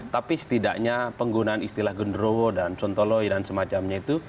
tapi setidaknya penggunaan istilah genderowo dan sontoloi dan semacamnya itu